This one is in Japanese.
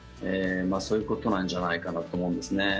そういうことなんじゃないかなと思うんですね。